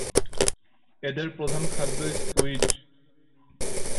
এদের প্রধান খাদ্য স্কুইড।